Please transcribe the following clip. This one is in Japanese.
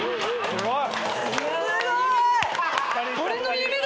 すごい。